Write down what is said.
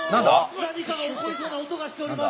何かが起こりそうな音がしております！